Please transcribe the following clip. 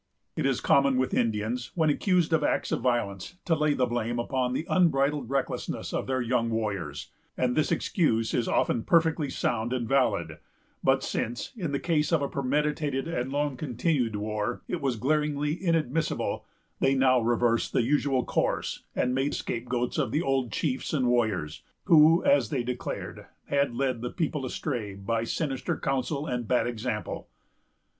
It is common with Indians, when accused of acts of violence, to lay the blame upon the unbridled recklessness of their young warriors; and this excuse is often perfectly sound and valid; but since, in the case of a premeditated and long continued war, it was glaringly inadmissible, they now reversed the usual course, and made scapegoats of the old chiefs and warriors, who, as they declared, had led the people astray by sinister counsel and bad example.